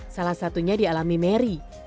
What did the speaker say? salah satunya dialami mary